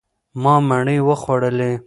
ما مڼې وخوړلې.